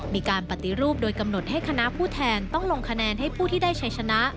มีการปฏิรูปโดยกำหนดให้คณะผู้แทนต้องลงคะแนนให้ผู้ที่ได้ชัยชนะ